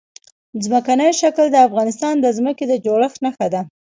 ځمکنی شکل د افغانستان د ځمکې د جوړښت نښه ده.